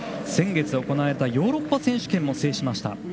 先月行われたヨーロッパ選手権も制しました。